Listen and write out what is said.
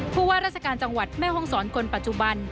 ผู้ว่าราชการจังหวัดแม่ห้องศรคนปัจจุบัน